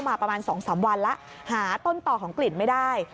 มาประมาณ๒๓วันแล้วหาต้นต่อของกลิ่นไม่ได้